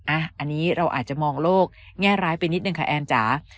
อันนี้เราอาจจะมองโลกแง่ร้ายไปนิดนึงค่ะแอนจ๋า